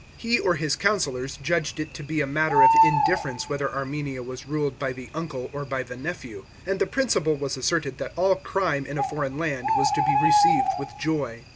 He or his councillors judged it to be a matter of indifference whether Armenia was ruled by the uncle or by the nephew ; and the principle was asserted that all crime in a foreign land was to be received with joy.